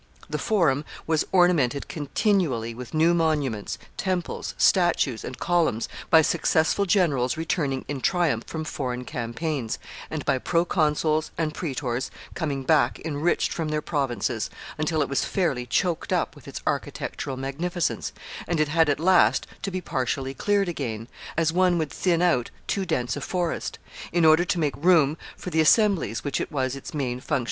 The Forum was ornamented continually with new monuments, temples, statues, and columns by successful generals returning in triumph from foreign campaigns, and by proconsuls and praetors coming back enriched from their provinces, until it was fairly choked up with its architectural magnificence, and it had at last to be partially cleared again, as one would thin out too dense a forest, in order to make room for the assemblies which it was its main function to contain.